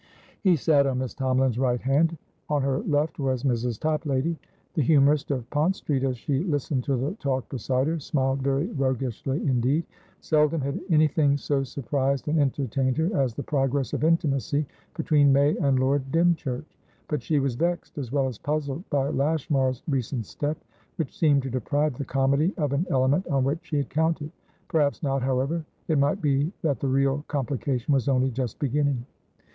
He sat on Miss Tomalin's right hand; on her left was Mrs. Toplady. The humourist of Pont Street, as she listened to the talk beside her, smiled very roguishly indeed. Seldom had anything so surprised and entertained her as the progress of intimacy between May and Lord Dymchurch But she was vexed, as well as puzzled, by Lashmar's recent step, which seemed to deprive the comedy of an element on which she had counted. Perhaps not, however; it might be that the real complication was only just beginning.